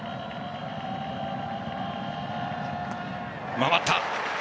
回った。